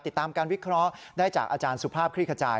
ติดตามการวิเคราะห์ได้จากอาจารย์สุภาพคลี่ขจาย